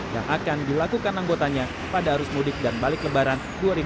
yang akan dilakukan anggotanya pada arus mudik dan balik lebaran dua ribu dua puluh